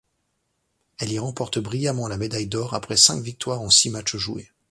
Elle y remporte brillamment la médaille d'or après cinq victoires en six matchs joués.